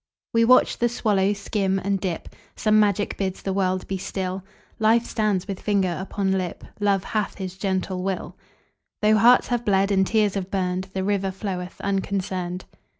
We watch the swallow skim and dip; Some magic bids the world be still; Life stands with finger upon lip; Love hath his gentle will; Though hearts have bled, and tears have burned, The river floweth unconcerned.